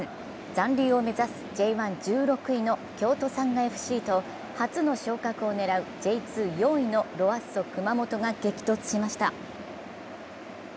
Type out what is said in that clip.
残留を目指すＪ１、１６位の京都サンガＦ．Ｃ．と初の昇格を狙うＪ２・４位のロアッソ熊本が激突しました。